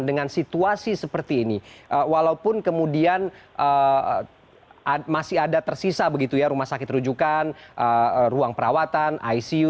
dengan situasi seperti ini walaupun kemudian masih ada tersisa begitu ya rumah sakit rujukan ruang perawatan icu